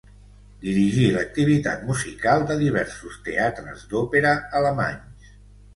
Dirigí l'activitat musical de diversos teatres d'òpera alemanys.